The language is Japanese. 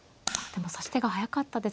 指し手が速かったです。